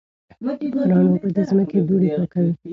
د باران اوبه د ځمکې دوړې پاکوي.